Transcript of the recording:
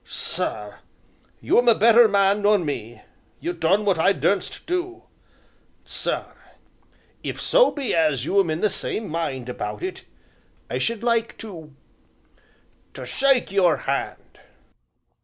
Sir, you'm a better man nor me; you done what I durstn't do. Sir, if so be as you 'm in the same mind about it I should like to to shake your hand."